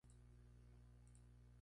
La eligió.